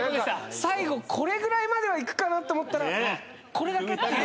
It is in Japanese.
最後これぐらいまではいくかなと思ったらこれだけっていう。